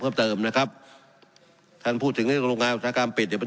เพิ่มเติมนะครับถ้าในโรงงานศาลกรรมปิดเดี๋ยวมัน